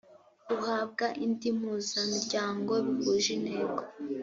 uhabwa indi mpuzamiryango bihuje intego